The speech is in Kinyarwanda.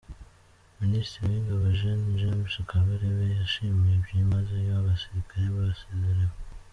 Minisitiri w’Ingabo, Gen James Kabarebe, yashimiye byimazeyo abasirikare basezerewe